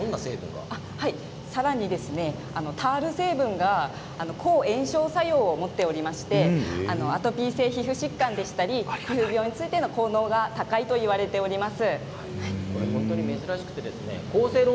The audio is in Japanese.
さらにタール成分が抗炎症作用を持っておりましてアトピー性皮膚疾患でしたり肌にいいといわれています。